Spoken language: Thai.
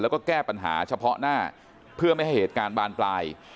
แล้วก็แก้ปัญหาเฉพาะหน้าเพื่อไม่ให้เหตุการณ์บานปลาย